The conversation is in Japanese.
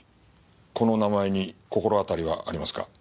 この名前に心当たりはありますか？